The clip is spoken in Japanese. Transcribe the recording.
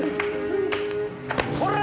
ほら！